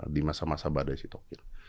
di masa masa badai sitokhil